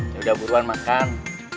yaudah buruan makan